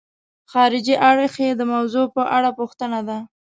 خارجي اړخ یې د موضوع په اړه پوښتنه ده.